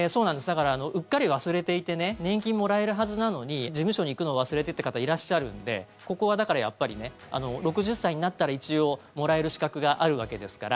だから、うっかり忘れていて年金もらえるはずなのに事務所に行くの忘れてという方いらっしゃるんでここはだから、やっぱり６０歳になったら一応、もらえる資格があるわけですから。